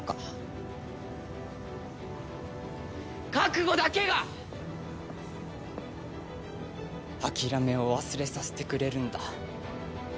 覚悟だけが諦めを忘れさせてくれるんだ。